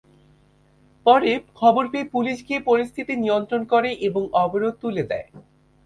পরে খবর পেয়ে পুলিশ গিয়ে পরিস্থিতি নিয়ন্ত্রণ করে এবং অবরোধ তুলে দেয়।